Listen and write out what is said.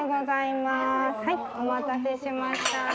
お待たせしました。